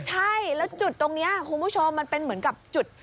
ใช่แล้วจุดตรงนี้คุณผู้ชมมันเป็นเหมือนกับจุด